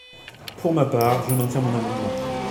Pour ma part, je maintiens mon amendement.